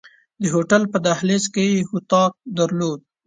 د هوټل په دهلیز کې یې اتاق درلود.